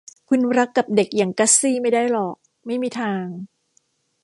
คุณรักกับเด็กอย่างกัสซี่ไม่ได้หรอก ไม่มีทาง